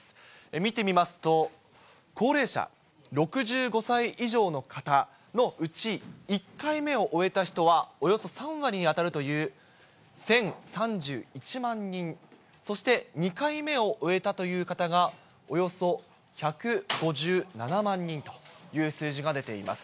見てみますと、高齢者、６５歳以上の方のうち、１回目を終えた人はおよそ３割に当たるという１０３１万人、そして２回目を終えたという方がおよそ１５７万人という数字が出ています。